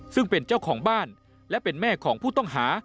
ซึ่งเป็นเจ้าของบ้านและเป็นแม่ของผู้ต้องหา